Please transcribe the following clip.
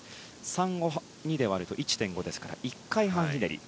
３を２で割ると１．５ですから１回半ひねり。